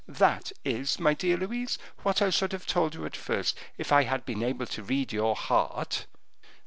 That is, my dear Louise, what I should have told you at first, if I had been able to read your heart."